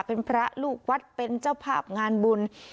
เป็นพระลูกวัดเป็นเจ้าภาพงานบุญ